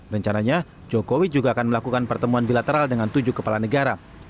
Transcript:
rencananya jokowi juga akan melakukan pertemuan bilateral dengan tujuh kepala negara